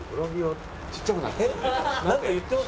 ちっちゃくなってる。